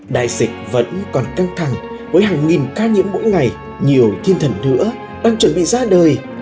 đại dịch vẫn còn căng thẳng với hàng nghìn ca nhiễm mỗi ngày nhiều thiên thần nữa đang chuẩn bị ra đời